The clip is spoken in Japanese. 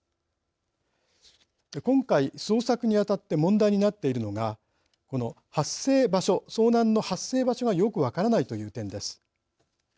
今回、捜索に当たって問題になっているのがこの発生場所遭難の発生場所がよく分からないという点です。